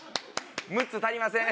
６つ足りません